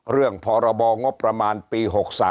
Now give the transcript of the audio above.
เรื่องพรบงบประมาณปี๖๓